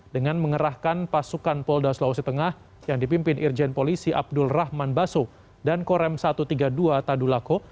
dengan mengerahkan pasukan polda sulawesi tengah yang dipimpin irjen polisi abdul rahman baso dan korem satu ratus tiga puluh dua tadulako